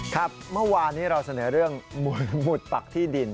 ครับเมื่อวานนี้เราเสนอเรื่องหุดปักที่ดิน